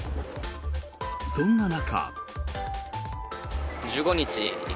そんな中。